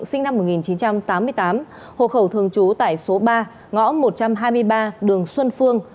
sinh năm một nghìn chín trăm tám mươi tám hộ khẩu thường trú tại số ba ngõ một trăm hai mươi ba đường xuân phương